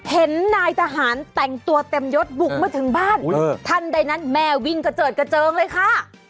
เห็นนายทหารแต่งตัวเต็มยศบุกมาถึงบ้านทันใดนั้นแม่วิ่งกระเจิดกระเจิงเลยค่ะ